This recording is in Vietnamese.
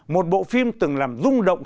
một bộ phim từng làm rung động